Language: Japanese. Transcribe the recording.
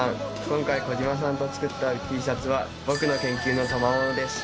今回小島さんと作ったＴシャツは僕の研究の賜物です。